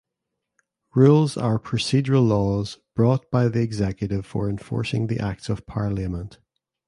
Rules are procedural laws brought by the executive for enforcing the acts of parliament.